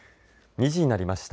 ２時になりました。